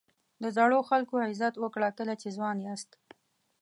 د زړو خلکو عزت وکړه کله چې ځوان یاست.